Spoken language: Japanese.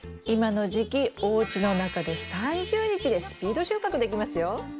今の時期おうちの中で３０日でスピード収穫できますよ。